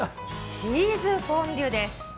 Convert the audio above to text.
チーズフォンデュです。